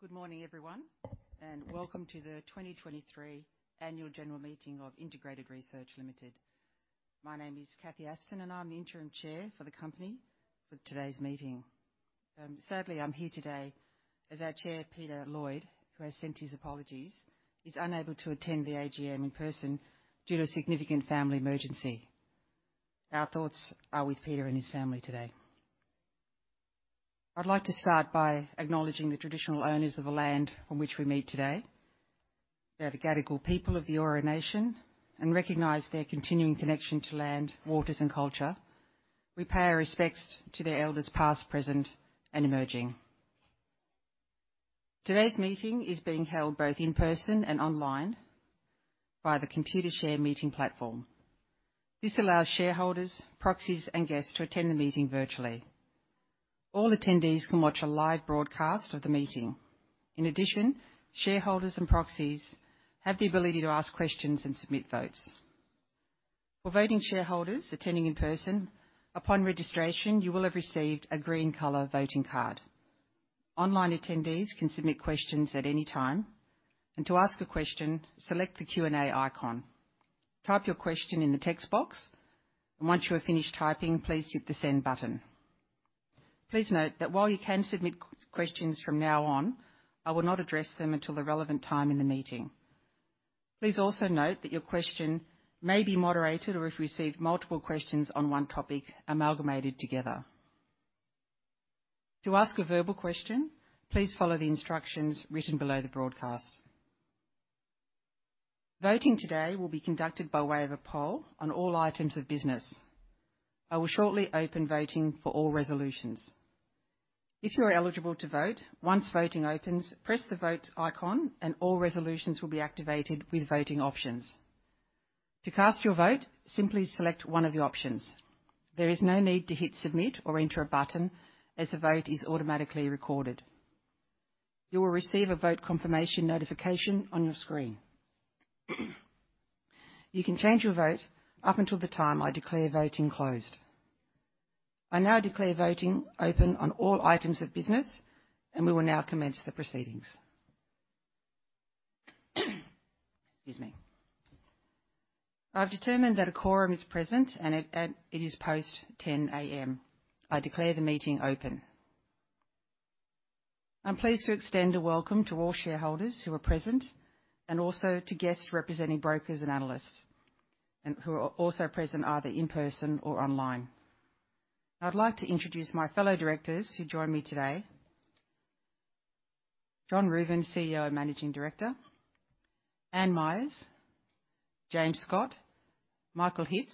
Good morning, everyone, and welcome to the 2023 Annual General Meeting of Integrated Research Limited. My name is Cathy Aston, and I'm the interim chair for the company for today's meeting. Sadly, I'm here today as our chair, Peter Lloyd, who has sent his apologies, is unable to attend the AGM in person due to a significant family emergency. Our thoughts are with Peter and his family today. I'd like to start by acknowledging the traditional owners of the land on which we meet today. They are the Gadigal people of the Eora Nation, and recognize their continuing connection to land, waters, and culture. We pay our respects to their elders, past, present, and emerging. Today's meeting is being held both in person and online by the Computershare Meeting Platform. This allows shareholders, proxies, and guests to attend the meeting virtually. All attendees can watch a live broadcast of the meeting. In addition, shareholders and proxies have the ability to ask questions and submit votes. For voting shareholders attending in person, upon registration, you will have received a green color voting card. Online attendees can submit questions at any time, and to ask a question, select the Q&A icon. Type your question in the text box, and once you have finished typing, please hit the Send button. Please note that while you can submit questions from now on, I will not address them until the relevant time in the meeting. Please also note that your question may be moderated, or if we receive multiple questions on one topic, amalgamated together. To ask a verbal question, please follow the instructions written below the broadcast. Voting today will be conducted by way of a poll on all items of business. I will shortly open voting for all resolutions. If you are eligible to vote, once voting opens, press the Votes icon, and all resolutions will be activated with voting options. To cast your vote, simply select one of the options. There is no need to hit Submit or enter a button, as the vote is automatically recorded. You will receive a vote confirmation notification on your screen. You can change your vote up until the time I declare voting closed. I now declare voting open on all items of business, and we will now commence the proceedings. Excuse me. I've determined that a quorum is present, and it is post 10:00 A.M. I declare the meeting open. I'm pleased to extend a welcome to all shareholders who are present, and also to guests representing brokers and analysts, and who are also present either in person or online. I'd like to introduce my fellow directors who join me today. John Ruthven, CEO and Managing Director, Anne Myers, James Scott, Michael Hitz,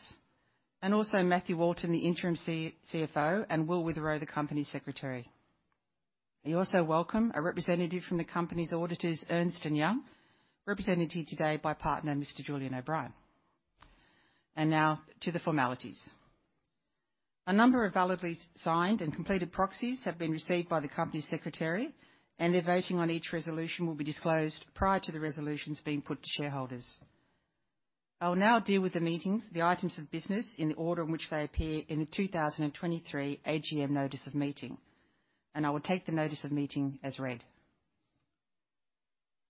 and also Matthew Walton, the interim CFO, and Will Witherow, the company secretary. We also welcome a representative from the company's auditors, Ernst & Young, represented here today by Partner Mr. Julian O'Brien. Now to the formalities. A number of validly signed and completed proxies have been received by the company secretary, and their voting on each resolution will be disclosed prior to the resolutions being put to shareholders. I will now deal with the meetings, the items of business, in the order in which they appear in the 2023 AGM notice of meeting, and I will take the notice of meeting as read.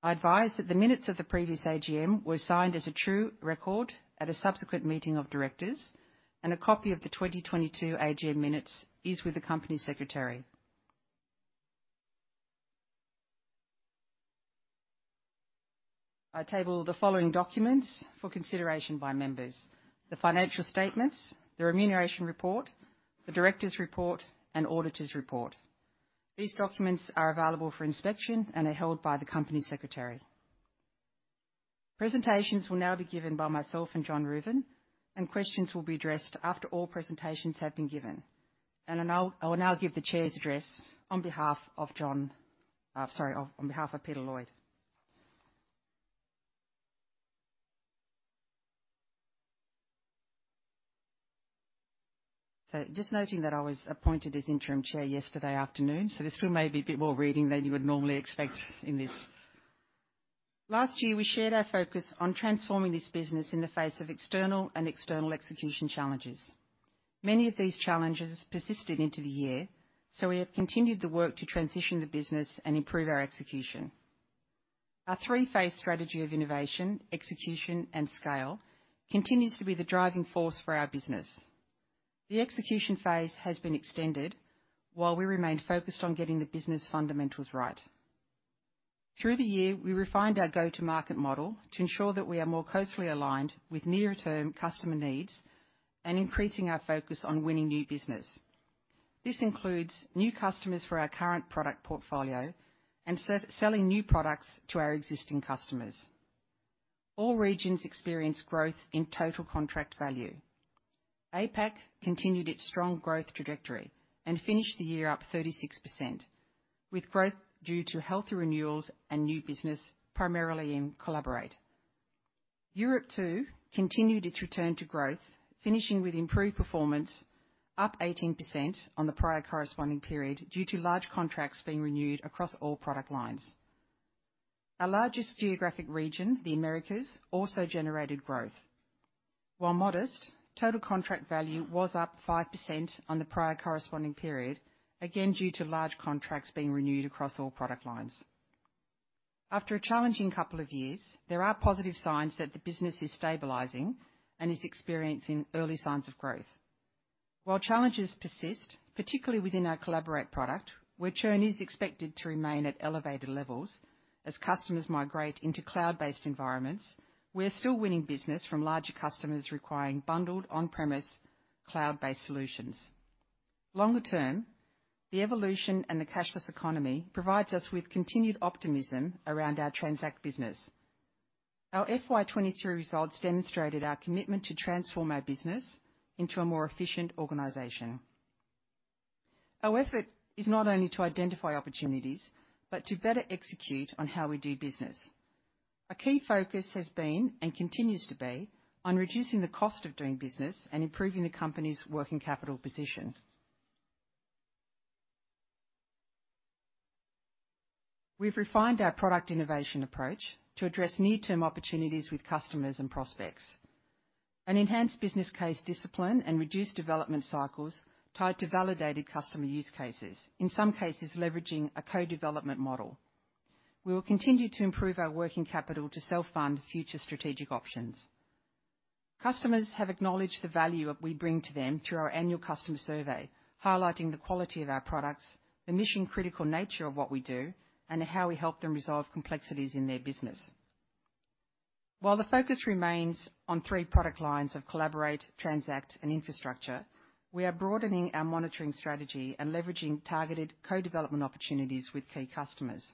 I advise that the minutes of the previous AGM were signed as a true record at a subsequent meeting of directors, and a copy of the 2022 AGM minutes is with the company secretary. I table the following documents for consideration by members: the financial statements, the remuneration report, the directors' report, and auditors' report. These documents are available for inspection and are held by the company secretary. Presentations will now be given by myself and John Ruthven, and questions will be addressed after all presentations have been given. I will now give the chair's address on behalf of John, sorry, on behalf of Peter Lloyd. Just noting that I was appointed as interim chair yesterday afternoon, so this one may be a bit more reading than you would normally expect in this. Last year, we shared our focus on transforming this business in the face of external and external execution challenges. Many of these challenges persisted into the year, so we have continued the work to transition the business and improve our execution. Our three-phase strategy of innovation, execution, and scale continues to be the driving force for our business. The execution phase has been extended while we remain focused on getting the business fundamentals right. Through the year, we refined our go-to-market model to ensure that we are more closely aligned with near-term customer needs and increasing our focus on winning new business. This includes new customers for our current product portfolio and selling new products to our existing customers. All regions experienced growth in total contract value. APAC continued its strong growth trajectory and finished the year up 36%, with growth due to healthy renewals and new business, primarily in Collaborate. Europe, too, continued its return to growth, finishing with improved performance, up 18% on the prior corresponding period, due to large contracts being renewed across all product lines.... Our largest geographic region, the Americas, also generated growth. While modest, total contract value was up 5% on the prior corresponding period, again, due to large contracts being renewed across all product lines. After a challenging couple of years, there are positive signs that the business is stabilizing and is experiencing early signs of growth. While challenges persist, particularly within our Collaborate product, where churn is expected to remain at elevated levels as customers migrate into cloud-based environments, we are still winning business from larger customers requiring bundled on-premise, cloud-based solutions. Longer term, the evolution and the cashless economy provides us with continued optimism around our Transact business. Our FY23 results demonstrated our commitment to transform our business into a more efficient organization. Our effort is not only to identify opportunities, but to better execute on how we do business. A key focus has been, and continues to be, on reducing the cost of doing business and improving the company's working capital position. We've refined our product innovation approach to address near-term opportunities with customers and prospects. An enhanced business case discipline and reduced development cycles tied to validated customer use cases, in some cases, leveraging a co-development model. We will continue to improve our working capital to self-fund future strategic options. Customers have acknowledged the value that we bring to them through our annual customer survey, highlighting the quality of our products, the mission-critical nature of what we do, and how we help them resolve complexities in their business. While the focus remains on three product lines of Collaborate, Transact, and Infrastructure, we are broadening our monitoring strategy and leveraging targeted co-development opportunities with key customers.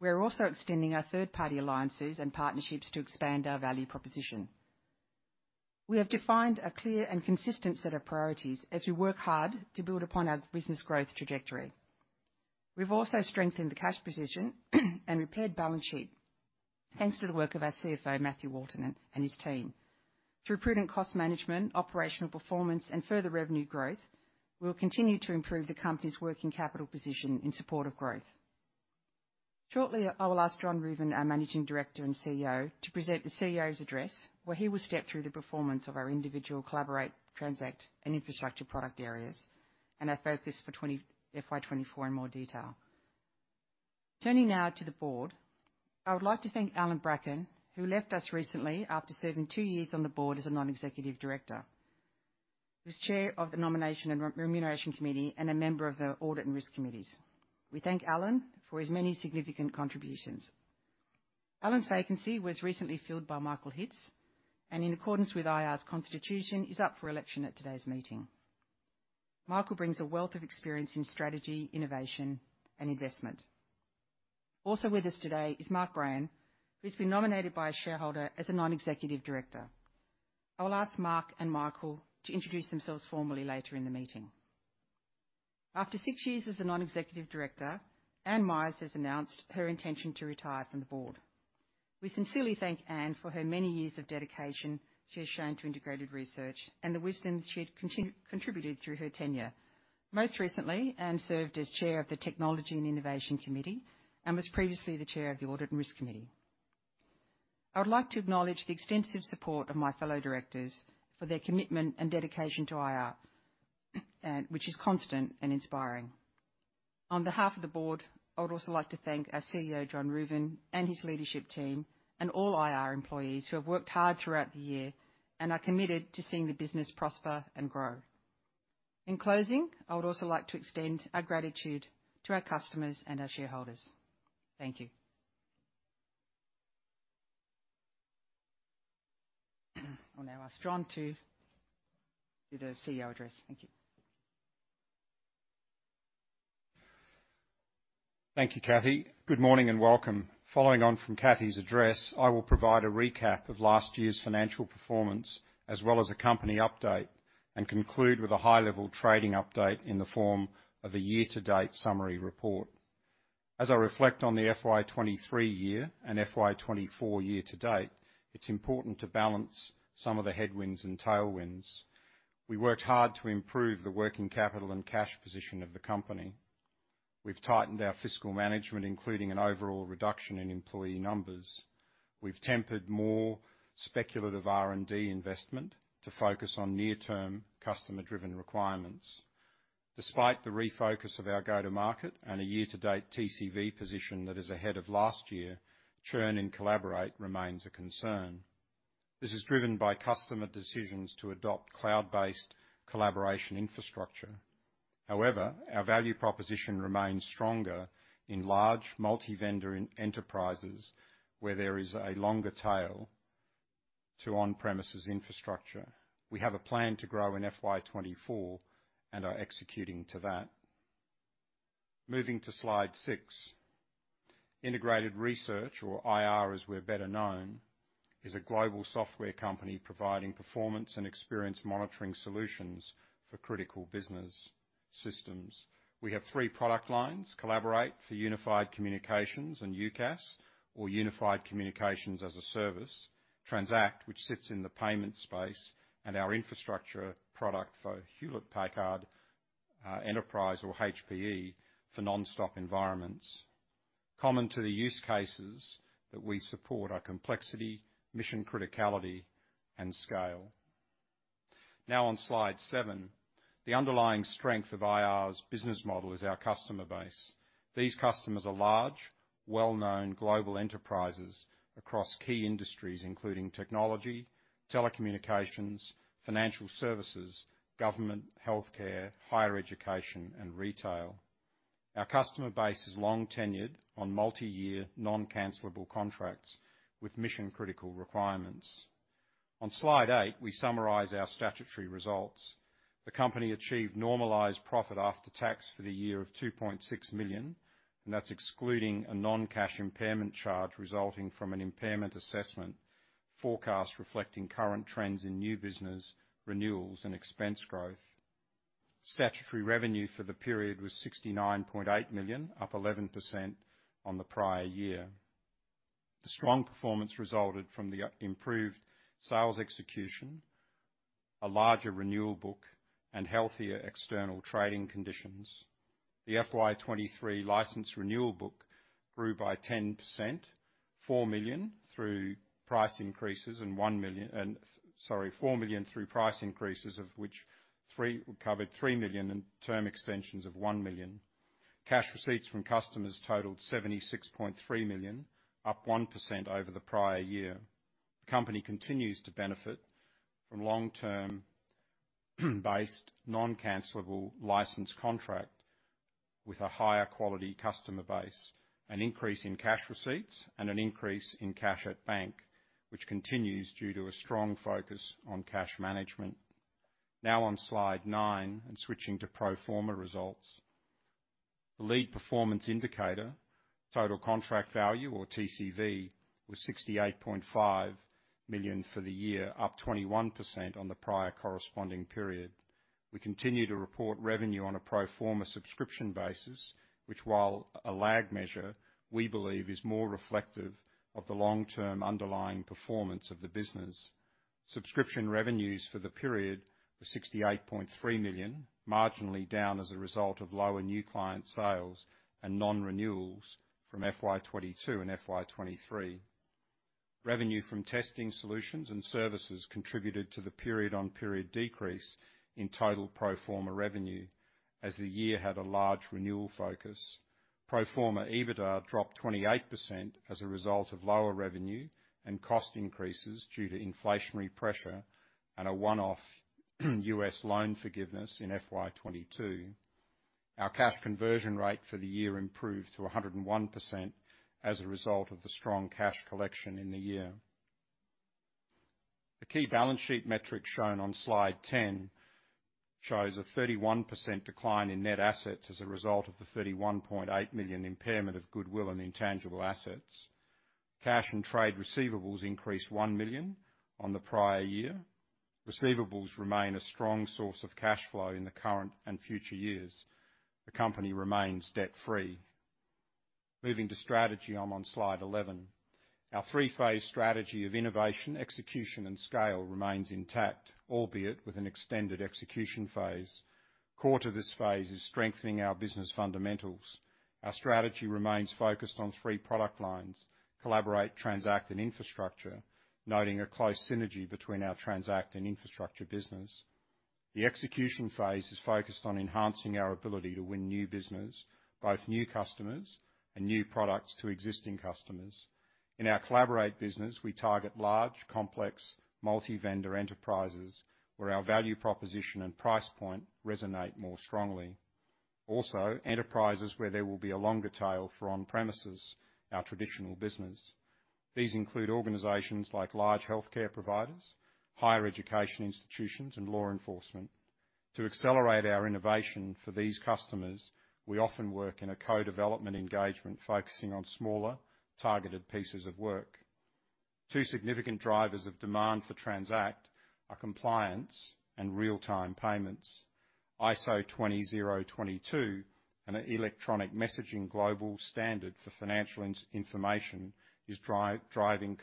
We are also extending our third-party alliances and partnerships to expand our value proposition. We have defined a clear and consistent set of priorities as we work hard to build upon our business growth trajectory. We've also strengthened the cash position and repaired balance sheet, thanks to the work of our CFO, Matthew Walton, and his team. Through prudent cost management, operational performance, and further revenue growth, we will continue to improve the company's working capital position in support of growth. Shortly, I will ask John Ruthven, our Managing Director and CEO, to present the CEO's address, where he will step through the performance of our individual Collaborate, Transact, and Infrastructure product areas, and our focus for FY24 in more detail. Turning now to the board, I would like to thank Allan Bracken, who left us recently after serving two years on the board as a non-executive director. He was Chair of the Nomination and Remuneration Committee and a member of the Audit and Risk Committees. We thank Alan for his many significant contributions. Alan's vacancy was recently filled by Michael Hitts, and in accordance with IR's constitution, is up for election at today's meeting. Michael brings a wealth of experience in strategy, innovation, and investment. Also with us today is Mark Brayan, who's been nominated by a shareholder as a non-executive director. I will ask Mark and Michael to introduce themselves formally later in the meeting. After six years as a non-executive director, Anne Myers has announced her intention to retire from the board. We sincerely thank Anne for her many years of dedication she has shown to Integrated Research, and the wisdom she had contributed through her tenure. Most recently, Anne served as Chair of the Technology and Innovation Committee, and was previously the Chair of the Audit and Risk Committee. I would like to acknowledge the extensive support of my fellow directors for their commitment and dedication to IR, which is constant and inspiring. On behalf of the board, I would also like to thank our CEO, John Ruthven, and his leadership team, and all IR employees who have worked hard throughout the year and are committed to seeing the business prosper and grow. In closing, I would also like to extend our gratitude to our customers and our shareholders. Thank you. I'll now ask John to do the CEO address. Thank you. Thank you, Cathy. Good morning, and welcome. Following on from Cathy's address, I will provide a recap of last year's financial performance, as well as a company update, and conclude with a high-level trading update in the form of a year-to-date summary report. As I reflect on the FY23 year and FY24 year to date, it's important to balance some of the headwinds and tailwinds. We worked hard to improve the working capital and cash position of the company. We've tightened our fiscal management, including an overall reduction in employee numbers. We've tempered more speculative R&D investment to focus on near-term, customer-driven requirements. Despite the refocus of our go-to market and a year-to-date TCV position that is ahead of last year, churn in Collaborate remains a concern. This is driven by customer decisions to adopt cloud-based collaboration infrastructure. However, our value proposition remains stronger in large, multi-vendor enterprises, where there is a longer tail to on-premises infrastructure. We have a plan to grow in FY24 and are executing to that. Moving to Slide 6. Integrated Research, or IR, as we're better known, is a global software company providing performance and experience monitoring solutions for critical business systems. We have three product lines: Collaborate for unified communications and UCaaS, or Unified Communications as a Service, Transact, which sits in the payment space, and our Infrastructure product for Hewlett Packard Enterprise or HPE for NonStop environments. Common to the use cases that we support are complexity, mission criticality, and scale. Now, on Slide 7, the underlying strength of IR's business model is our customer base. These customers are large, well-known global enterprises across key industries, including technology, telecommunications, financial services, government, healthcare, higher education, and retail. Our customer base is long-tenured on multiyear, non-cancelable contracts with mission-critical requirements. On Slide 8, we summarize our statutory results. The company achieved normalized profit after tax for the year of 2.6 million, and that's excluding a non-cash impairment charge resulting from an impairment assessment forecast reflecting current trends in new business renewals and expense growth. Statutory revenue for the period was 69.8 million, up 11% on the prior year. The strong performance resulted from the improved sales execution, a larger renewal book, and healthier external trading conditions. The FY23 license renewal book grew by 10%, 4 million through price increases and 1 million... Sorry, 4 million through price increases, of which three covered 3 million in term extensions of 1 million. Cash receipts from customers totaled 76.3 million, up 1% over the prior year. The company continues to benefit from long-term based, non-cancelable license contract with a higher quality customer base, an increase in cash receipts, and an increase in cash at bank, which continues due to a strong focus on cash management. Now on Slide 9, and switching to pro forma results. The lead performance indicator, Total Contract Value or TCV, was 68.5 million for the year, up 21% on the prior corresponding period. We continue to report revenue on a pro forma subscription basis, which while a lag measure, we believe is more reflective of the long-term underlying performance of the business. Subscription revenues for the period were 68.3 million, marginally down as a result of lower new client sales and non-renewals from FY 22 and FY23. Revenue from testing solutions and services contributed to the period-on-period decrease in total pro forma revenue, as the year had a large renewal focus. Pro forma EBITDA dropped 28% as a result of lower revenue and cost increases due to inflationary pressure and a one-off U.S. loan forgiveness in FY22. Our cash conversion rate for the year improved to 101% as a result of the strong cash collection in the year. The key balance sheet metric shown on Slide 10 shows a 31% decline in net assets as a result of the 31.8 million impairment of goodwill and intangible assets. Cash and trade receivables increased 1 million on the prior year. Receivables remain a strong source of cash flow in the current and future years. The company remains debt-free. Moving to strategy, I'm on Slide 11. Our three-phase strategy of innovation, execution and scale remains intact, albeit with an extended execution phase. Core to this phase is strengthening our business fundamentals. Our strategy remains focused on three product lines: Collaborate, Transact, and Infrastructure, noting a close synergy between our Transact and Infrastructure business. The execution phase is focused on enhancing our ability to win new business, both new customers and new products to existing customers. In our Collaborate business, we target large, complex, multi-vendor enterprises, where our value proposition and price point resonate more strongly. Also, enterprises where there will be a longer tail for on-premises, our traditional business. These include organizations like large healthcare providers, higher education institutions, and law enforcement. To accelerate our innovation for these customers, we often work in a co-development engagement focusing on smaller, targeted pieces of work. Two significant drivers of demand for Transact are compliance and real-time payments. ISO 20022, an electronic messaging global standard for financial information, is driving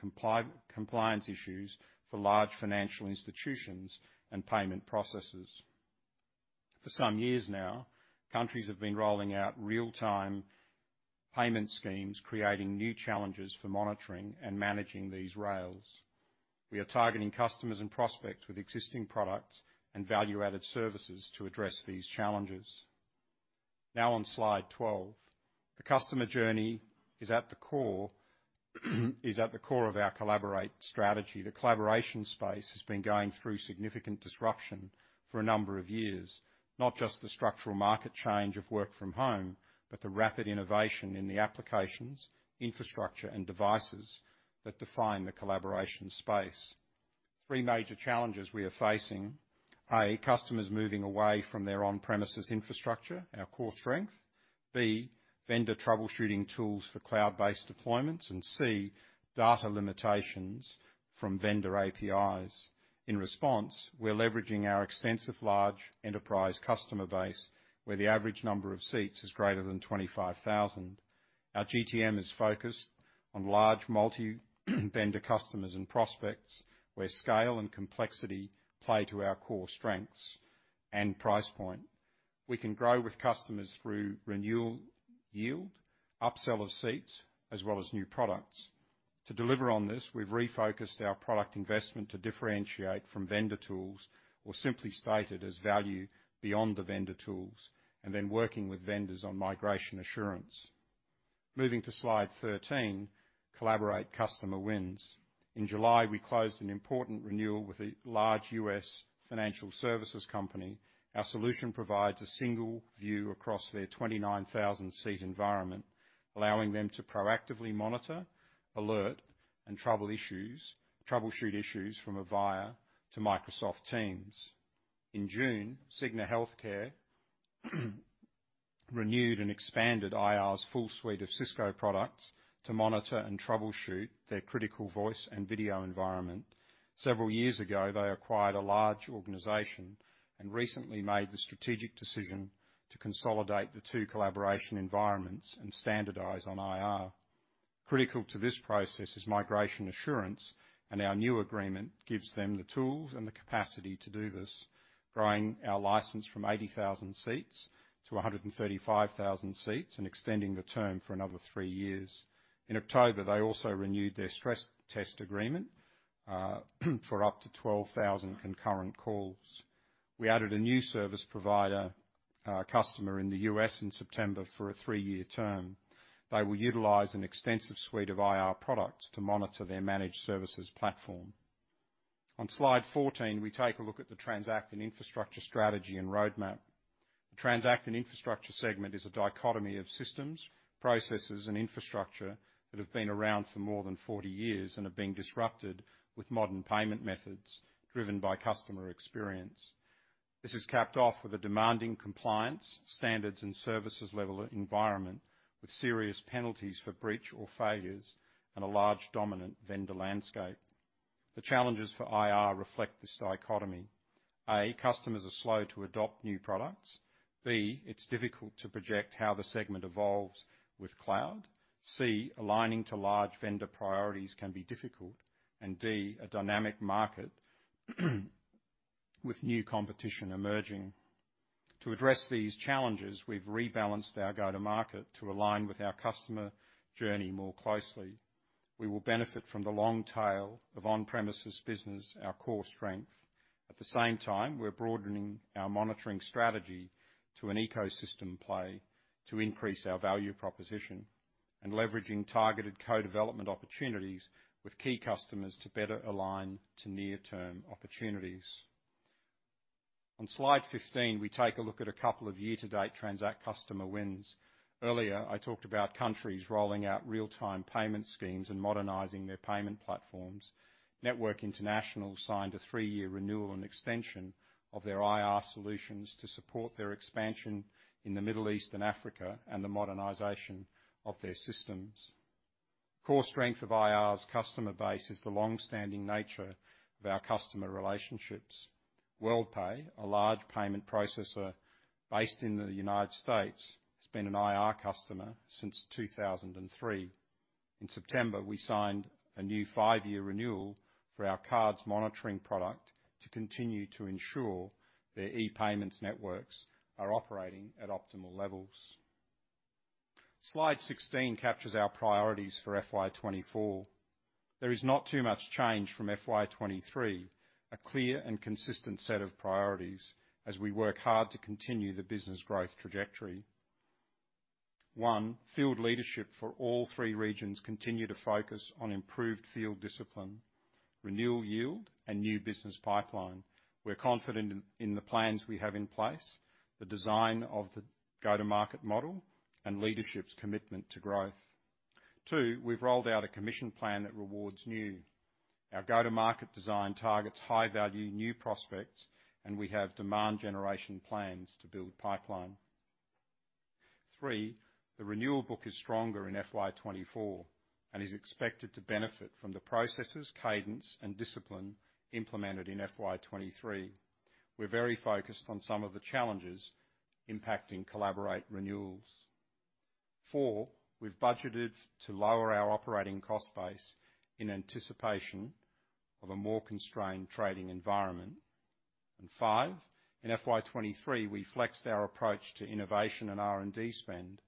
compliance issues for large financial institutions and payment processors. For some years now, countries have been rolling out real-time payment schemes, creating new challenges for monitoring and managing these rails. We are targeting customers and prospects with existing products and value-added services to address these challenges. Now on Slide 12. The customer journey is at the core of our Collaborate strategy. The collaboration space has been going through significant disruption for a number of years, not just the structural market change of work from home, but the rapid innovation in the applications, infrastructure, and devices that define the collaboration space. Three major challenges we are facing are: A, customers moving away from their on-premises infrastructure, our core strength, B, vendor troubleshooting tools for cloud-based deployments, and C, data limitations from vendor APIs. In response, we're leveraging our extensive large enterprise customer base, where the average number of seats is greater than 25,000. Our GTM is focused on large multi vendor customers and prospects, where scale and complexity play to our core strengths and price point. We can grow with customers through renewal yield, upsell of seats, as well as new products. To deliver on this, we've refocused our product investment to differentiate from vendor tools, or simply stated, as value beyond the vendor tools, and then working with vendors on migration assurance. Moving to Slide 13, Collaborate customer wins. In July, we closed an important renewal with a large U.S. financial services company. Our solution provides a single view across their 29,000-seat environment, allowing them to proactively monitor, alert, and troubleshoot issues from Avaya to Microsoft Teams. In June, Cigna Healthcare renewed and expanded IR's full suite of Cisco products to monitor and troubleshoot their critical voice and video environment. Several years ago, they acquired a large organization and recently made the strategic decision to consolidate the two collaboration environments and standardize on IR. Critical to this process is migration assurance, and our new agreement gives them the tools and the capacity to do this, growing our license from 80,000 seats to 135,000 seats and extending the term for another three years. In October, they also renewed their stress test agreement for up to 12,000 concurrent calls. We added a new service provider, customer in the U.S. in September for a 3-year term. They will utilize an extensive suite of IR products to monitor their managed services platform. On Slide 14, we take a look at the Transact and Infrastructure strategy and roadmap. The Transact and Infrastructure segment is a dichotomy of systems, processes, and infrastructure that have been around for more than 40 years and are being disrupted with modern payment methods driven by customer experience. This is capped off with a demanding compliance, standards, and services level environment, with serious penalties for breach or failures and a large, dominant vendor landscape. The challenges for IR reflect this dichotomy: A, customers are slow to adopt new products; B, it's difficult to project how the segment evolves with cloud; C, aligning to large vendor priorities can be difficult; and D, a dynamic market, with new competition emerging. To address these challenges, we've rebalanced our go-to-market to align with our customer journey more closely. We will benefit from the long tail of on-premises business, our core strength. At the same time, we're broadening our monitoring strategy to an ecosystem play to increase our value proposition and leveraging targeted co-development opportunities with key customers to better align to near-term opportunities. On Slide 15, we take a look at a couple of year-to-date Transact customer wins. Earlier, I talked about countries rolling out real-time payment schemes and modernizing their payment platforms. Network International signed a 3-year renewal and extension of their IR solutions to support their expansion in the Middle East and Africa and the modernization of their systems. Core strength of IR's customer base is the long-standing nature of our customer relationships. Worldpay, a large payment processor based in the United States, has been an IR customer since 2003. In September, we signed a new 5-year renewal for our cards monitoring product to continue to ensure their e-payments networks are operating at optimal levels. Slide 16 captures our priorities for FY24. There is not too much change from FY23, a clear and consistent set of priorities as we work hard to continue the business growth trajectory. 1. Field leadership for all three regions continue to focus on improved field discipline, renewal yield, and new business pipeline. We're confident in the plans we have in place, the design of the go-to-market model, and leadership's commitment to growth. 2, we've rolled out a commission plan that rewards new. Our go-to-market design targets high-value, new prospects, and we have demand generation plans to build pipeline. 3, the renewal book is stronger in FY24 and is expected to benefit from the processes, cadence, and discipline implemented in FY23. We're very focused on some of the challenges impacting Collaborate renewals. 4, we've budgeted to lower our operating cost base in anticipation of a more constrained trading environment. 5, in FY23, we flexed our approach to innovation and R&D spend.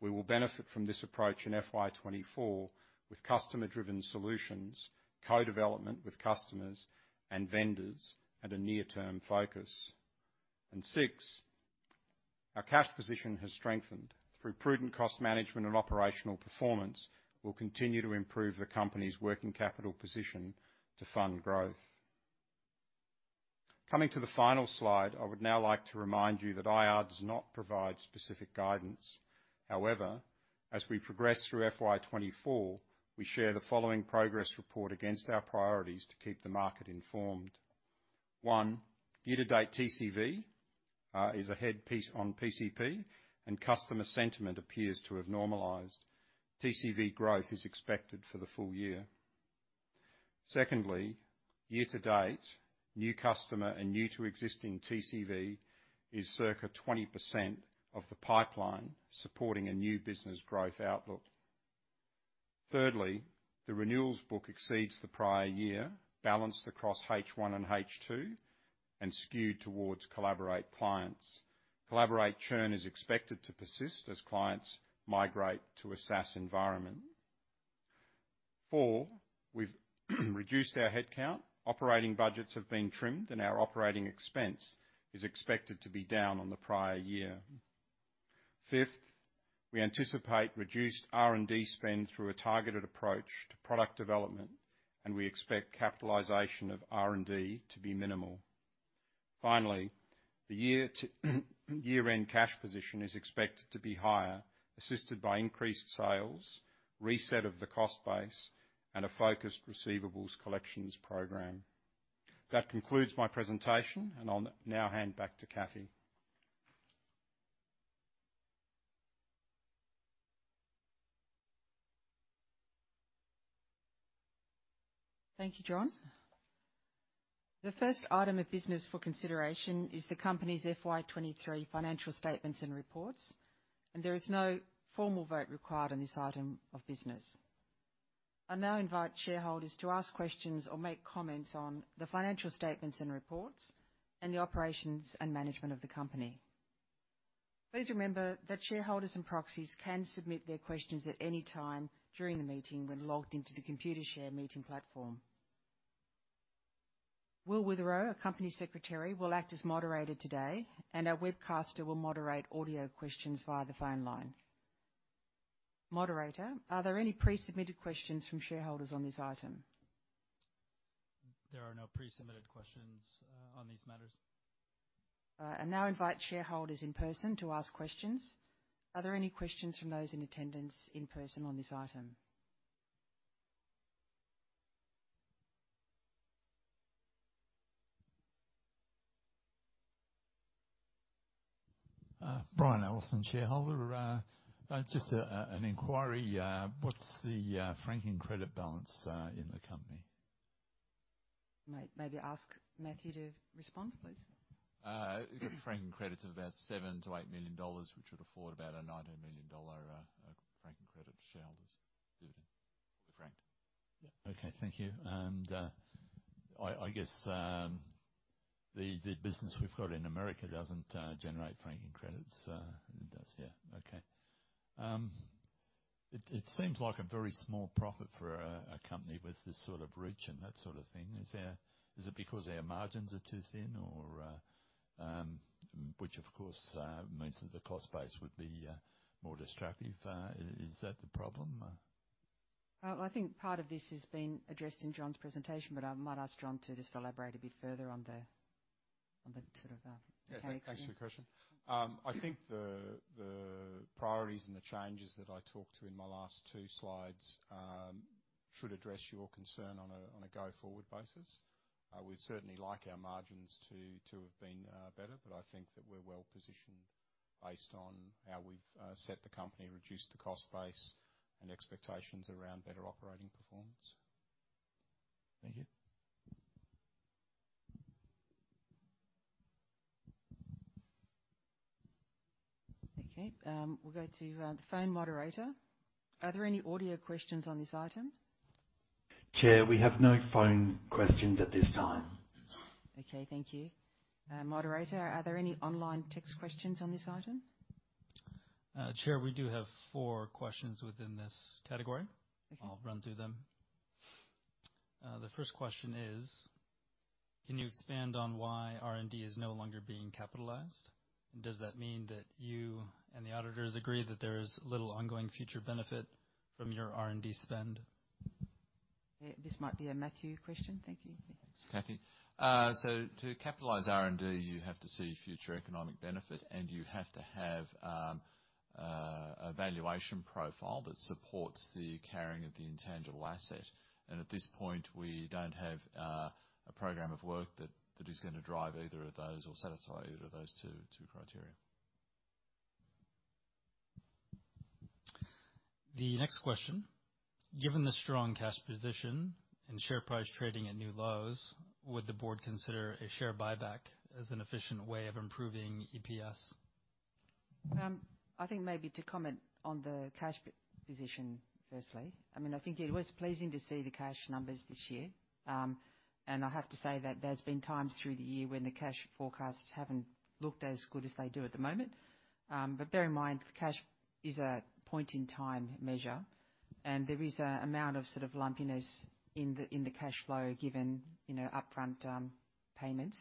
We will benefit from this approach in FY24 with customer-driven solutions, co-development with customers and vendors, and a near-term focus. 6, our cash position has strengthened through prudent cost management and operational performance. We'll continue to improve the company's working capital position to fund growth. Coming to the final slide, I would now like to remind you that IR does not provide specific guidance. However, as we progress through FY24, we share the following progress report against our priorities to keep the market informed. One, year-to-date TCV is ahead of PCP, and customer sentiment appears to have normalized. TCV growth is expected for the full year. Secondly, year to date, new customer and new to existing TCV is circa 20% of the pipeline, supporting a new business growth outlook. Thirdly, the renewals book exceeds the prior year, balanced across H1 and H2, and skewed towards Collaborate clients. Collaborate churn is expected to persist as clients migrate to a SaaS environment. Four, we've reduced our headcount, operating budgets have been trimmed, and our operating expense is expected to be down on the prior year. Fifth, we anticipate reduced R&D spend through a targeted approach to product development, and we expect capitalization of R&D to be minimal. Finally, the year-end cash position is expected to be higher, assisted by increased sales, reset of the cost base, and a focused receivables collections program. That concludes my presentation, and I'll now hand back to Cathy. Thank you, John. The first item of business for consideration is the company's FY23 financial statements and reports, and there is no formal vote required on this item of business. I now invite shareholders to ask questions or make comments on the financial statements and reports and the operations and management of the company. Please remember that shareholders and proxies can submit their questions at any time during the meeting when logged into the Computershare Meeting Platform. Will Witherow, our company secretary, will act as moderator today, and our webcaster will moderate audio questions via the phone line. Moderator, are there any pre-submitted questions from shareholders on this item? There are no pre-submitted questions on these matters. I now invite shareholders in person to ask questions. Are there any questions from those in attendance in person on this item? Brian Ellison, shareholder. Just an inquiry. What's the franking credit balance in the company? Maybe ask Matthew to respond, please. Franking credits of about 7-8 million dollars, which would afford about a 90 million dollar franking credit to shareholders' dividend franked. Yeah. Okay, thank you. I guess the business we've got in America doesn't generate franking credits. It does, yeah. Okay. It seems like a very small profit for a company with this sort of reach and that sort of thing. Is it because our margins are too thin or... Which, of course, means that the cost base would be more destructive. Is that the problem? Well, I think part of this has been addressed in John's presentation, but I might ask John to just elaborate a bit further on the sort of, okay. Yeah, thanks for the question. I think the priorities and the changes that I talked to in my last two slides should address your concern on a go-forward basis. We'd certainly like our margins to have been better, but I think that we're well positioned based on how we've set the company, reduced the cost base, and expectations around better operating performance. Thank you. Okay, we'll go to the phone moderator. Are there any audio questions on this item? Chair, we have no phone questions at this time. Okay, thank you. Moderator, are there any online text questions on this item? Chair, we do have four questions within this category. Okay. I'll run through them. The first question is: Can you expand on why R&D is no longer being capitalized, and does that mean that you and the auditors agree that there is little ongoing future benefit from your R&D spend? This might be a Matthew question. Thank you. Thanks, Cathy. To capitalize R&D, you have to see future economic benefit, and you have to have a valuation profile that supports the carrying of the intangible asset. At this point, we don't have a program of work that is gonna drive either of those or satisfy either of those two criteria. The next question: Given the strong cash position and share price trading at new lows, would the board consider a share buyback as an efficient way of improving EPS? I think maybe to comment on the cash position, firstly. I mean, I think it was pleasing to see the cash numbers this year. I have to say that there's been times through the year when the cash forecasts haven't looked as good as they do at the moment. Bear in mind, cash is a point in time measure, and there is a amount of sort of lumpiness in the cash flow, given, you know, upfront payments.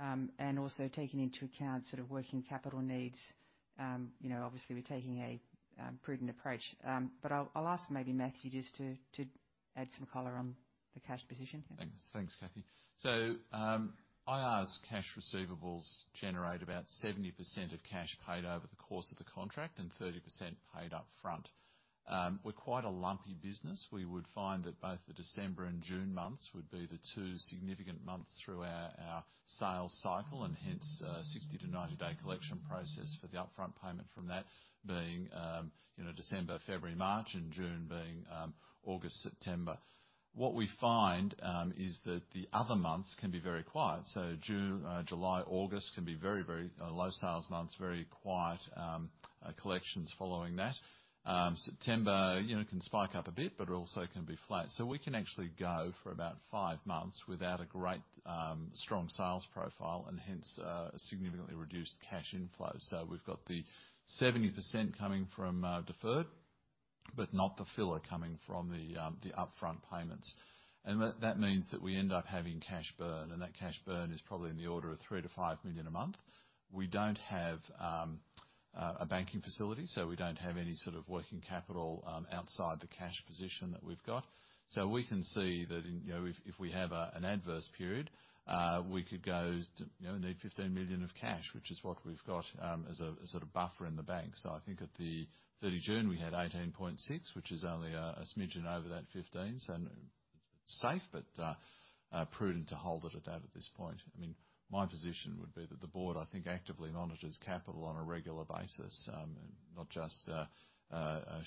Also taking into account sort of working capital needs, you know, obviously, we're taking a prudent approach. I'll ask maybe Matthew just to add some color on the cash position. Thanks. Thanks, Cathy. IR's cash receivables generate about 70% of cash paid over the course of the contract and 30% paid up front. We're quite a lumpy business. We would find that both the December and June months would be the two significant months through our sales cycle, and hence, 60-90-day collection process for the upfront payment from that being, you know, December, February, March, and June being,... August, September. What we find is that the other months can be very quiet. June, July, August can be very, very low sales months, very quiet, collections following that. September, you know, can spike up a bit, but it also can be flat. We can actually go for about five months without a great strong sales profile, and hence a significantly reduced cash inflow. We've got the 70% coming from deferred, but not the filler coming from the the upfront payments. That, that means that we end up having cash burn, and that cash burn is probably in the order of 3 million-5 million a month. We don't have a banking facility, so we don't have any sort of working capital outside the cash position that we've got. So we can see that in, you know, if we have an adverse period, we could go to, you know, need 15 million of cash, which is what we've got, as sort of buffer in the bank. I think at the 30 June, we had 18.6 million, which is only a smidgen over that 15 million, so it's safe but prudent to hold it at that at this point. I mean, my position would be that the board, I think, actively monitors capital on a regular basis, and not just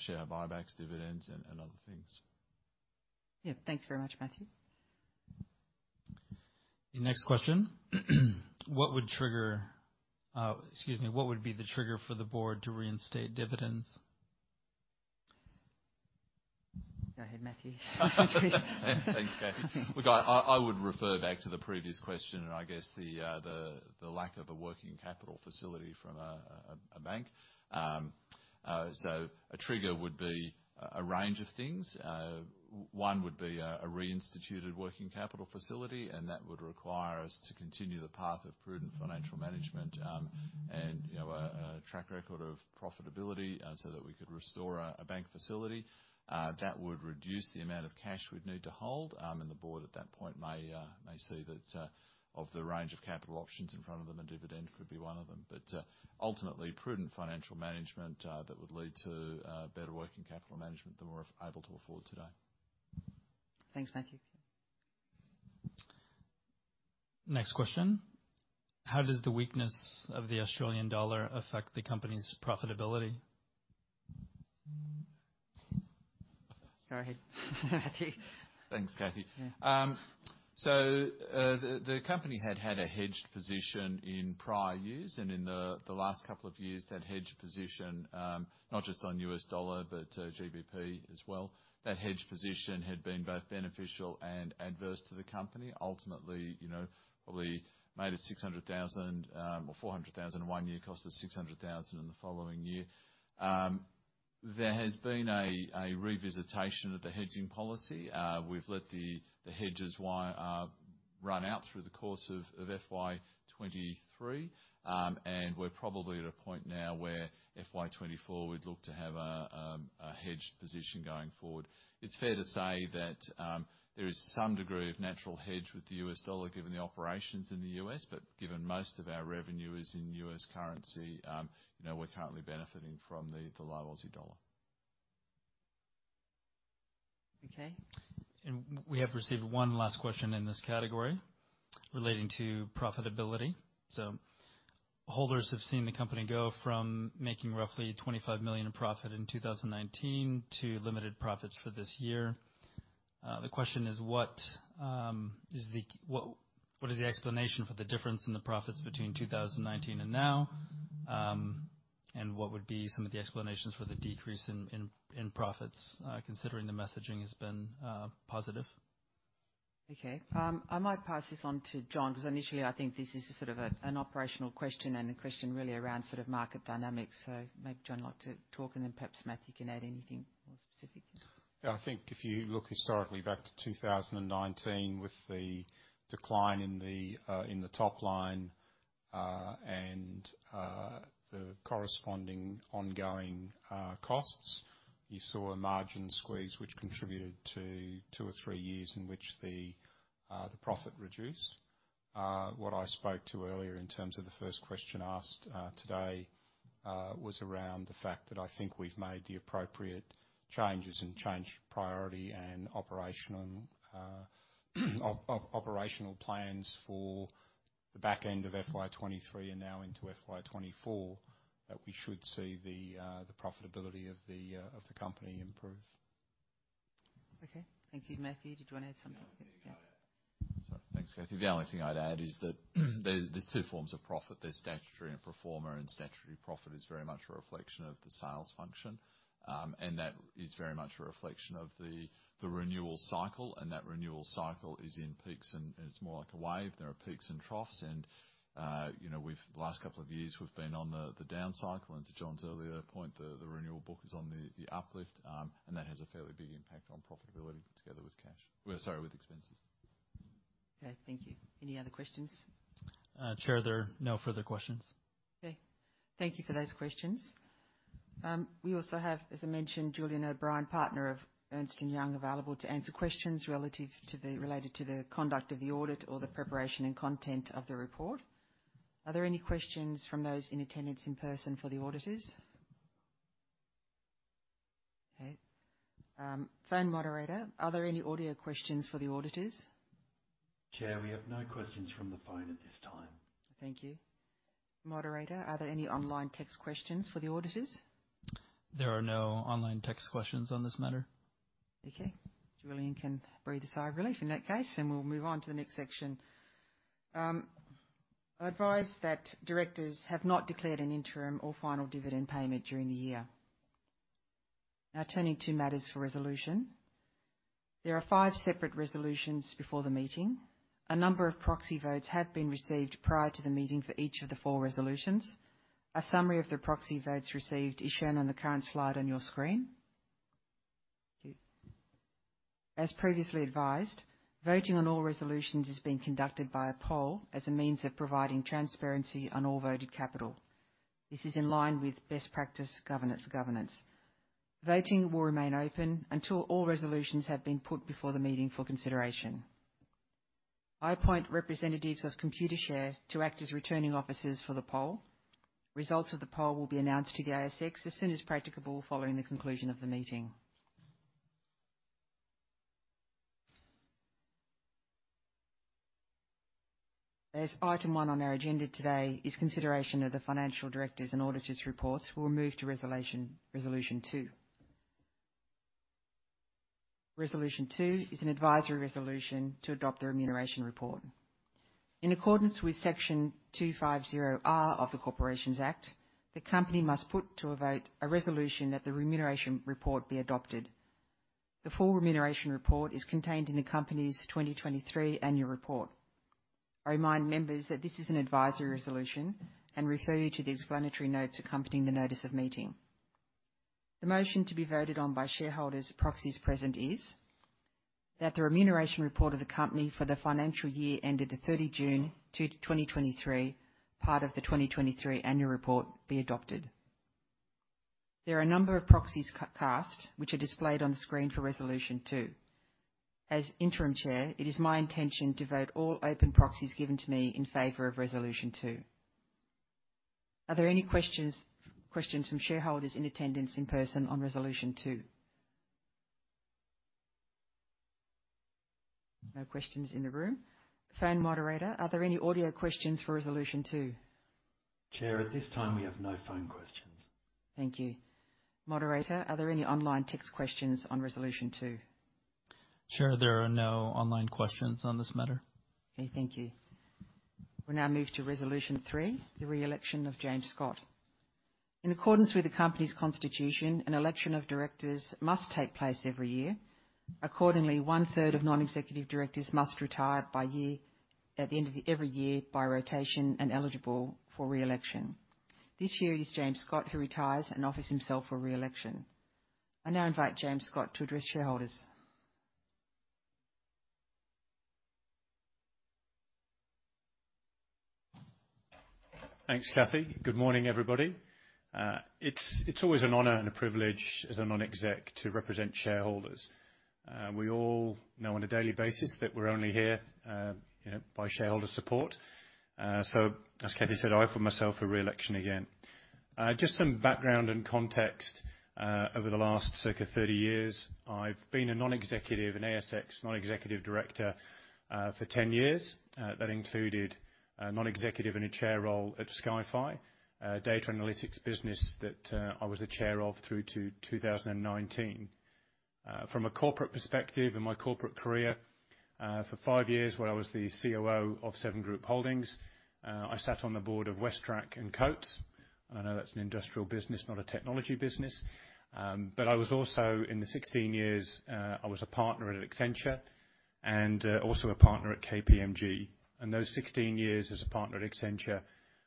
share buybacks, dividends, and other things. Yeah. Thanks very much, Matthew. The next question: What would trigger... excuse me. What would be the trigger for the board to reinstate dividends? Go ahead, Matthew. Thanks, Cathy. Look, I would refer back to the previous question, and I guess the lack of a working capital facility from a bank. A trigger would be a range of things. One would be a reinstituted working capital facility, and that would require us to continue the path of prudent financial management, and, you know, a track record of profitability, so that we could restore a bank facility. That would reduce the amount of cash we'd need to hold, and the board at that point may see that, of the range of capital options in front of them, a dividend could be one of them. Ultimately, prudent financial management, that would lead to, better working capital management than we're able to afford today. Thanks, Matthew. Next question: How does the weakness of the Australian dollar affect the company's profitability? Go ahead, Matthew. Thanks, Cathy. Yeah. So, the company had had a hedged position in prior years, and in the last couple of years, that hedge position, not just on U.S. dollar, but GBP as well, that hedge position had been both beneficial and adverse to the company. Ultimately, you know, probably made it 600,000 or 400,000 in one year, cost us 600,000 in the following year. There has been a revisitation of the hedging policy. We've let the hedges we had run out through the course of FY23. We're probably at a point now where FY24, we'd look to have a hedged position going forward. It's fair to say that there is some degree of natural hedge with the U.S. dollar, given the operations in the US, but given most of our revenue is in US currency, you know, we're currently benefiting from the low Aussie dollar. Okay. We have received one last question in this category relating to profitability. Holders have seen the company go from making roughly 25 million in profit in 2019 to limited profits for this year. The question is, What is the explanation for the difference in the profits between 2019 and now? And what would be some of the explanations for the decrease in profits, considering the messaging has been positive? Okay. I might pass this on to John, because initially, I think this is sort of a, an operational question and a question really around sort of market dynamics. Maybe John might like to talk and then perhaps Matthew can add anything more specific. Yeah. I think if you look historically back to 2019, with the decline in the top line, and the corresponding ongoing costs, you saw a margin squeeze, which contributed to two or three years in which the profit reduced. What I spoke to earlier in terms of the first question asked today was around the fact that I think we've made the appropriate changes and change priority and operational plans for the back end of FY23 and now into FY24, that we should see the profitability of the company improve. Okay. Thank you. Matthew, did you want to add something? Yeah. Sorry. Thanks, Cathy. The only thing I'd add is that there, there's two forms of profit. There's statutory and pro forma, and statutory profit is very much a reflection of the sales function. That is very much a reflection of the, the renewal cycle, and that renewal cycle is in peaks and... It's more like a wave. There are peaks and troughs and, you know, we've, last couple of years, we've been on the, the down cycle, and to John's earlier point, the, the renewal book is on the, the uplift, and that has a fairly big impact on profitability together with cash. Sorry, with expenses. Okay, thank you. Any other questions? Chair, there are no further questions. Okay. Thank you for those questions. We also have, as I mentioned, Julian O'Brien, partner of Ernst & Young, available to answer questions related to the conduct of the audit or the preparation and content of the report. Are there any questions from those in attendance in person for the auditors? Okay. Phone moderator, are there any audio questions for the auditors?... Chair, we have no questions from the phone at this time. Thank you. Moderator, are there any online text questions for the auditors? There are no online text questions on this matter. Okay. Julian can breathe a sigh of relief in that case, and we'll move on to the next section. I advise that directors have not declared an interim or final dividend payment during the year. Now, turning to matters for resolution. There are 5 separate resolutions before the meeting. A number of proxy votes have been received prior to the meeting for each of the 4 resolutions. A summary of the proxy votes received is shown on the current slide on your screen. Thank you. As previously advised, voting on all resolutions is being conducted by a poll as a means of providing transparency on all voted capital. This is in line with best practice governance. Voting will remain open until all resolutions have been put before the meeting for consideration. I appoint representatives of Computershare to act as returning officers for the poll. Results of the poll will be announced to the ASX as soon as practicable following the conclusion of the meeting. As item 1 on our agenda today is consideration of the financial directors' and auditors' reports, we'll move to resolution 2. Resolution 2 is an advisory resolution to adopt the remuneration report. In accordance with Section 250R of the Corporations Act, the company must put to a vote a resolution that the remuneration report be adopted. The full remuneration report is contained in the company's 2023 annual report. I remind members that this is an advisory resolution and refer you to the explanatory notes accompanying the notice of meeting. The motion to be voted on by shareholders' proxies present is, that the remuneration report of the company for the financial year ended 30 June 2023, part of the 2023 annual report, be adopted. There are a number of proxies cast, which are displayed on the screen for resolution 2. As interim chair, it is my intention to vote all open proxies given to me in favor of resolution 2. Are there any questions, questions from shareholders in attendance, in person on resolution 2? No questions in the room. Phone moderator, are there any audio questions for resolution 2? Chair, at this time, we have no phone questions. Thank you. Moderator, are there any online text questions on resolution two? Chair, there are no online questions on this matter. Okay, thank you. We now move to resolution 3, the re-election of James Scott. In accordance with the company's constitution, an election of directors must take place every year. Accordingly, one third of non-executive directors must retire at the end of every year by rotation and eligible for re-election. This year, it is James Scott, who retires and offers himself for re-election. I now invite James Scott to address shareholders. Thanks, Cathy. Good morning, everybody. It's always an honor and a privilege as a non-exec to represent shareholders. We all know on a daily basis that we're only here, you know, by shareholder support. As Cathy said, I offer myself for re-election again. Just some background and context. Over the last circa 30 years, I've been a non-executive, an ASX non-executive director for 10 years. That included a non-executive and a Chair role at SkyFii, a data analytics business that I was the Chair of through to 2019. From a corporate perspective and my corporate career for five years, where I was the COO of Seven Group Holdings, I sat on the board of WesTrac and Coates. I know that's an industrial business, not a technology business. But I was also, in the 16 years, I was a partner at Accenture and, also a partner at KPMG. Those 16 years as a partner at Accenture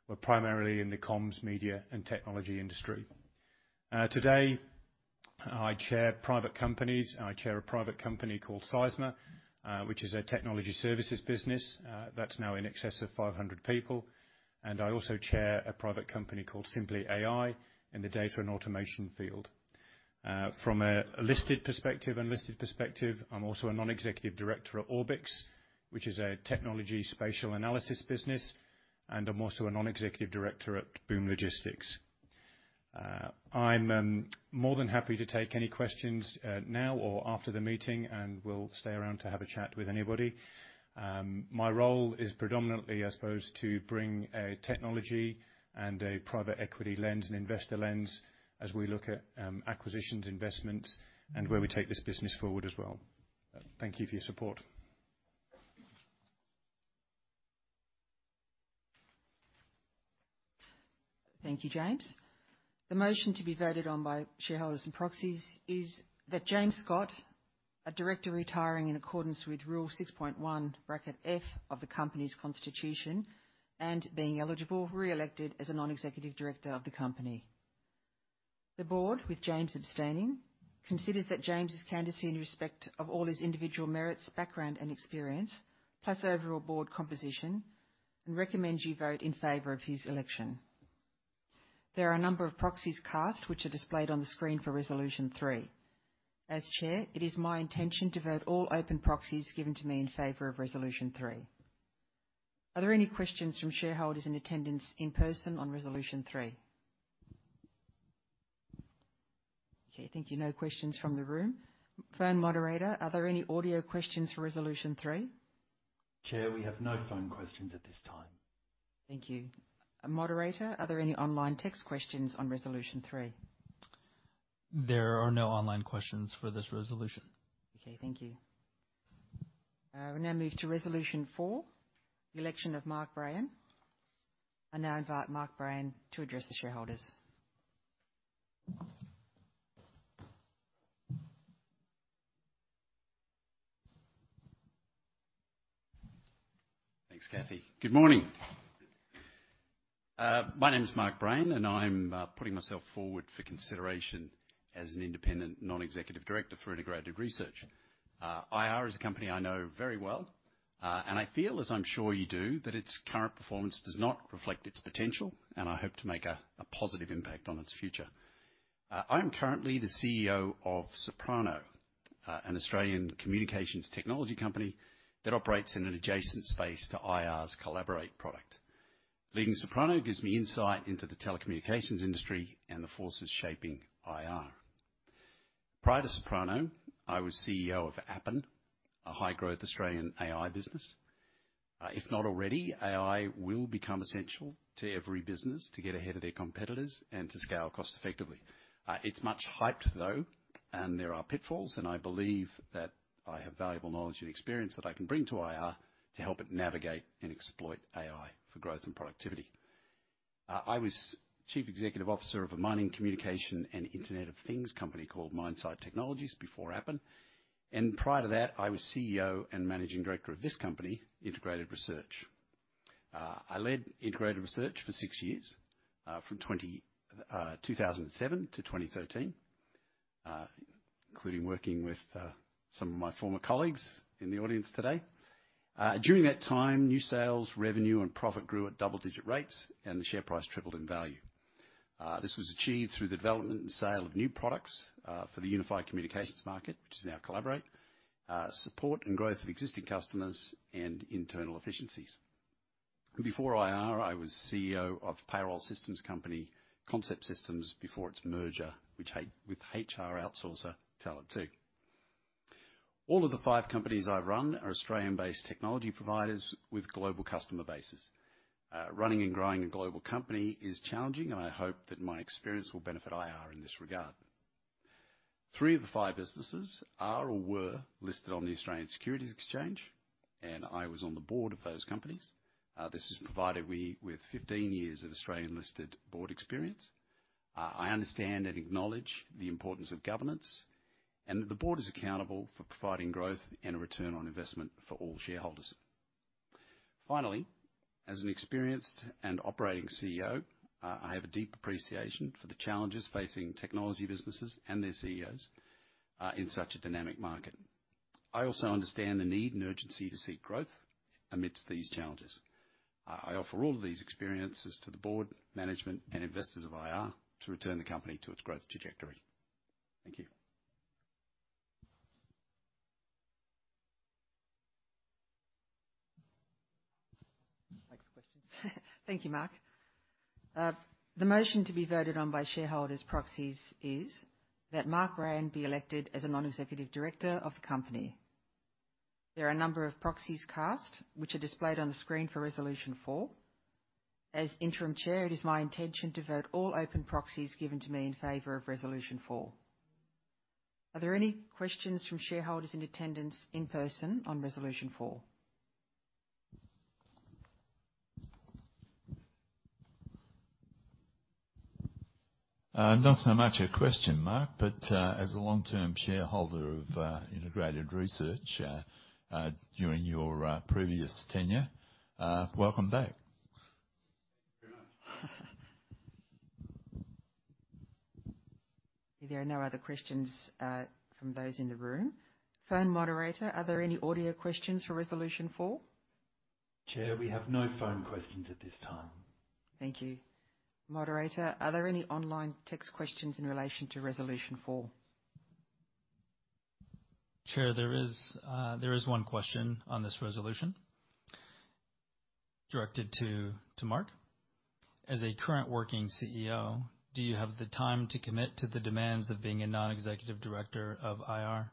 were primarily in the comms, media, and technology industry. Today, I chair private companies. I chair a private company called Sizner, which is a technology services business, that's now in excess of 500 people. I also chair a private company called Simply AI in the data and automation field. From a listed perspective, unlisted perspective, I'm also a non-executive director at Orbix, which is a technology spatial analysis business, and I'm also a non-executive director at Boom Logistics. I'm more than happy to take any questions, now or after the meeting, and will stay around to have a chat with anybody. My role is predominantly, I suppose, to bring a technology and a private equity lens and investor lens as we look at acquisitions, investments, and where we take this business forward as well. Thank you for your support. Thank you, James. The motion to be voted on by shareholders and proxies is that James Scott, a director retiring in accordance with Rule 6.1(F) of the company's constitution and being eligible, re-elected as a non-executive director of the company. The board, with James abstaining, considers that James' candidacy in respect of all his individual merits, background, and experience, plus overall board composition, and recommends you vote in favor of his election. There are a number of proxies cast, which are displayed on the screen for Resolution 3. As chair, it is my intention to vote all open proxies given to me in favor of Resolution 3. Are there any questions from shareholders in attendance in person on Resolution 3?... Okay, thank you. No questions from the room. Phone moderator, are there any audio questions for Resolution 3? Chair, we have no phone questions at this time. Thank you. Moderator, are there any online text questions on Resolution 3? There are no online questions for this resolution. Okay, thank you. We now move to Resolution 4, the election of Mark Brayan. I now invite Mark Brayan to address the shareholders. Thanks, Cathy. Good morning. My name is Mark Brayan, and I'm putting myself forward for consideration as an independent non-executive director for Integrated Research. IR is a company I know very well, and I feel, as I'm sure you do, that its current performance does not reflect its potential, and I hope to make a positive impact on its future. I'm currently the CEO of Soprano, an Australian communications technology company that operates in an adjacent space to IR's Collaborate product. Leading Soprano gives me insight into the telecommunications industry and the forces shaping IR. Prior to Soprano, I was CEO of Appen, a high-growth Australian AI business. If not already, AI will become essential to every business to get ahead of their competitors and to scale cost effectively. It's much hyped, though, and there are pitfalls, and I believe that I have valuable knowledge and experience that I can bring to IR to help it navigate and exploit AI for growth and productivity. I was chief executive officer of a mining communication and Internet of Things company called Mine Site Technologies before Appen, and prior to that, I was CEO and managing director of this company, Integrated Research. I led Integrated Research for six years, from 2007 to 2013, including working with some of my former colleagues in the audience today. During that time, new sales, revenue, and profit grew at double-digit rates, and the share price tripled in value. This was achieved through the development and sale of new products for the unified communications market, which is now Collaborate, support and growth of existing customers and internal efficiencies. Before IR, I was CEO of payroll systems company, Concept Systems, before its merger, which with HR outsourcer Talent2. All of the five companies I've run are Australian-based technology providers with global customer bases. Running and growing a global company is challenging, and I hope that my experience will benefit IR in this regard. Three of the five businesses are or were listed on the Australian Securities Exchange, and I was on the board of those companies. This has provided me with 15 years of Australian-listed board experience. I understand and acknowledge the importance of governance, and the board is accountable for providing growth and a return on investment for all shareholders. Finally, as an experienced and operating CEO, I have a deep appreciation for the challenges facing technology businesses and their CEOs in such a dynamic market. I also understand the need and urgency to seek growth amidst these challenges. I offer all of these experiences to the board, management, and investors of IR to return the company to its growth trajectory. Thank you. Time for questions. Thank you, Mark. The motion to be voted on by shareholders' proxies is that Mark Brayan be elected as a non-executive director of the company. There are a number of proxies cast, which are displayed on the screen for Resolution 4. As interim chair, it is my intention to vote all open proxies given to me in favor of Resolution 4. Are there any questions from shareholders in attendance in person on Resolution 4? Not so much a question, Mark, but as a long-term shareholder of Integrated Research, during your previous tenure, welcome back. Thank you very much. There are no other questions from those in the room. Phone moderator, are there any audio questions for Resolution 4? Chair, we have no phone questions at this time. Thank you. Moderator, are there any online text questions in relation to Resolution 4? Chair, there is one question on this resolution directed to Mark: As a current working CEO, do you have the time to commit to the demands of being a non-executive director of IR?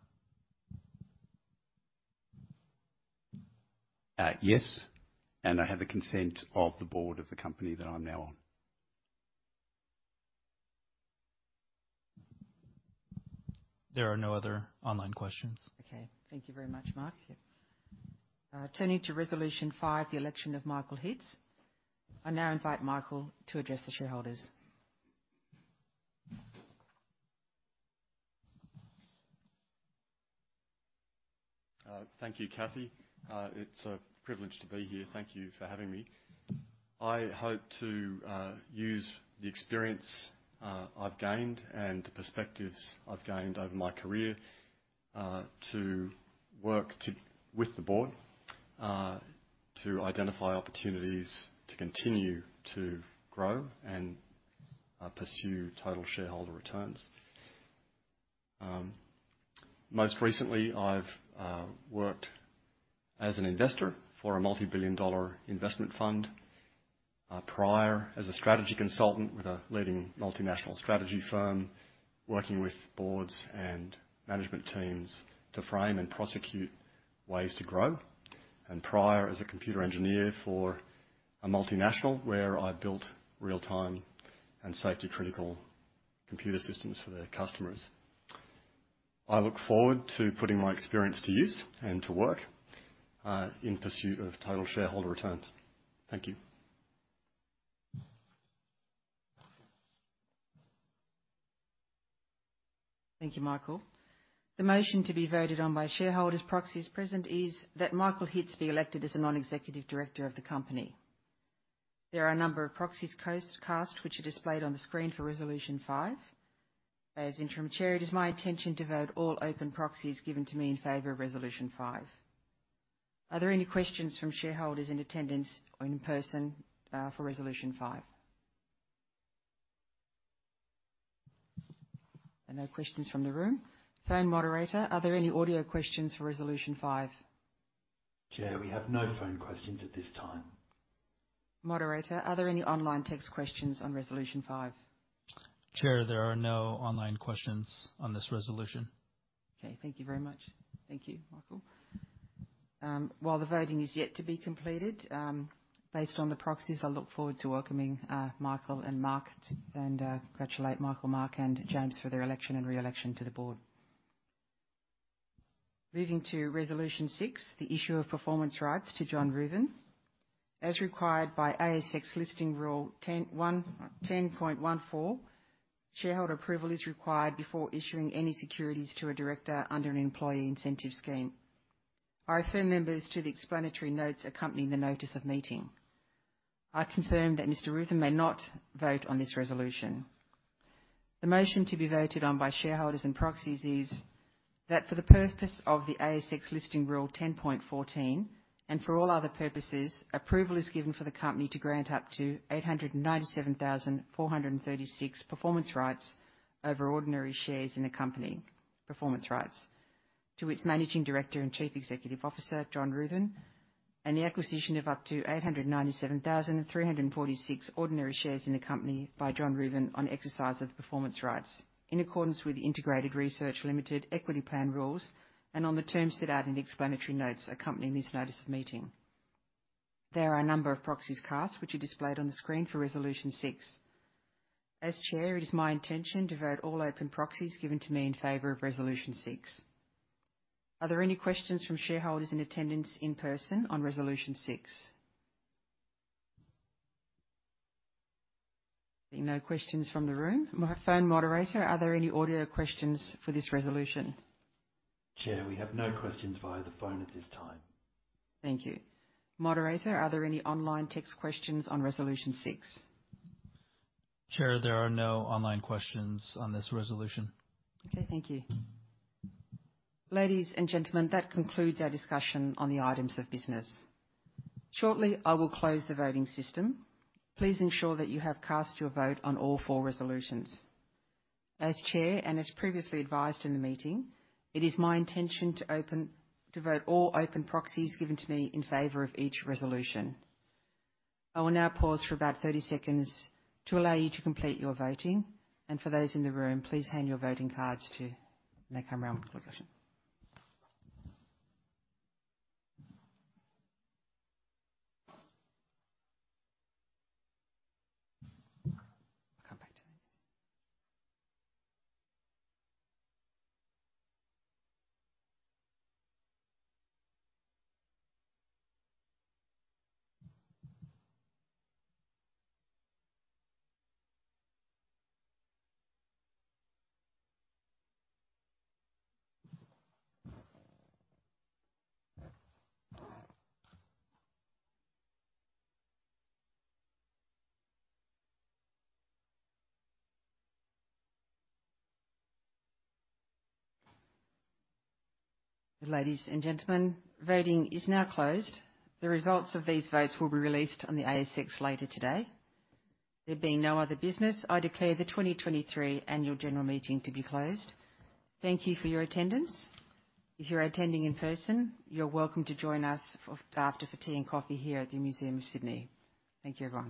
Yes, and I have the consent of the board of the company that I'm now on. There are no other online questions. Okay. Thank you very much, Mark. Turning to Resolution 5, the election of Michael Hitz, I now invite Michael to address the shareholders. Thank you, Cathy. It's a privilege to be here. Thank you for having me. I hope to use the experience I've gained and the perspectives I've gained over my career to work with the board to identify opportunities to continue to grow and pursue total shareholder returns. Most recently, I've worked as an investor for a multi-billion dollar investment fund. Prior as a strategy consultant with a leading multinational strategy firm, working with boards and management teams to frame and prosecute ways to grow, and prior as a computer engineer for a multinational, where I built real-time and safety-critical computer systems for their customers. I look forward to putting my experience to use and to work in pursuit of total shareholder returns. Thank you. Thank you, Michael. The motion to be voted on by shareholders' proxies present is that Michael Hitts be elected as a non-executive director of the company. There are a number of proxies cast, which are displayed on the screen for resolution five. As interim chair, it is my intention to vote all open proxies given to me in favor of resolution five. Are there any questions from shareholders in attendance or in person for resolution five? There are no questions from the room. Phone moderator, are there any audio questions for resolution five? Chair, we have no phone questions at this time. Moderator, are there any online text questions on resolution five? Chair, there are no online questions on this resolution. Okay, thank you very much. Thank you, Michael. While the voting is yet to be completed, based on the proxies, I look forward to welcoming Michael and Mark, and congratulate Michael, Mark, and James for their election and re-election to the board. Moving to resolution six, the issue of performance rights to John Ruthven. As required by ASX listing rule 10.14, shareholder approval is required before issuing any securities to a director under an employee incentive scheme. I refer members to the explanatory notes accompanying the notice of meeting. I confirm that Mr. Ruthven may not vote on this resolution. The motion to be voted on by shareholders and proxies is that for the purpose of the ASX listing rule 10.14, and for all other purposes, approval is given for the company to grant up to 897,436 performance rights over ordinary shares in the company, performance rights, to its managing director and Chief Executive Officer, John Ruthven. The acquisition of up to 897,346 ordinary shares in the company by John Ruthven on exercise of the performance rights in accordance with the Integrated Research Limited equity plan rules and on the terms set out in the explanatory notes accompanying this notice of meeting. There are a number of proxies cast, which are displayed on the screen for resolution 6. As chair, it is my intention to vote all open proxies given to me in favor of resolution 6. Are there any questions from shareholders in attendance in person on resolution 6? Seeing no questions from the room. Phone moderator, are there any audio questions for this resolution? Chair, we have no questions via the phone at this time. Thank you. Moderator, are there any online text questions on resolution six? Chair, there are no online questions on this resolution. Okay, thank you. Ladies and gentlemen, that concludes our discussion on the items of business. Shortly, I will close the voting system. Please ensure that you have cast your vote on all four resolutions. As Chair, and as previously advised in the meeting, it is my intention to vote all open proxies given to me in favor of each resolution. I will now pause for about 30 seconds to allow you to complete your voting, and for those in the room, please hand your voting cards to when they come around to collect them. Ladies and gentlemen, voting is now closed. The results of these votes will be released on the ASX later today. There being no other business, I declare the 2023 annual general meeting to be closed. Thank you for your attendance. If you're attending in person, you're welcome to join us after for tea and coffee here at the Museum of Sydney. Thank you, everyone.